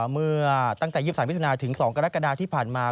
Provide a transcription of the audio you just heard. เมื่อตั้งแต่๒๓มิถุนาถึง๒กรกฎาที่ผ่านมา